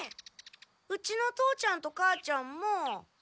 うちの父ちゃんと母ちゃんも。